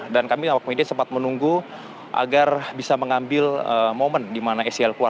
dan kami awak media sempat menunggu agar bisa mengambil momen di mana sel keluar